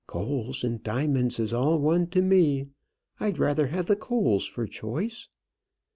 Coals and diamonds is all one to me; I'd rather have the coals for choice."